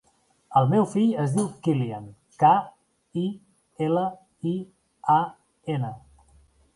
El meu fill es diu Kilian: ca, i, ela, i, a, ena.